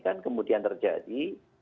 kan kemudian terjadi